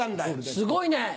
すごいね。